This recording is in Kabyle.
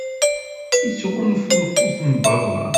Ittɣunfu lqut n berra.